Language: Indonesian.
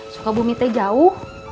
sukabumi teh jauh